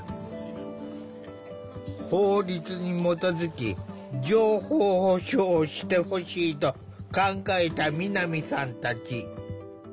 法律に基づき情報保障をしてほしいと考えた南さんたち。